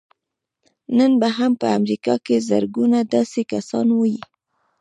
نن به هم په امريکا کې زرګونه داسې کسان وي.